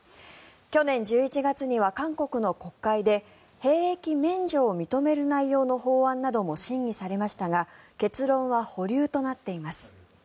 去年１１月には韓国の国会で兵役免除を認める内容の法案なども審議されましたが結論は保留となっています。